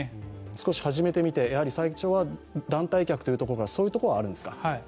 少し始めてみて、最初は団体客というところは、そういうところがあるんですか。